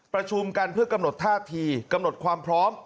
ประชุมกันเพื่อกำหนดท่าทีกำหนดความพร้อม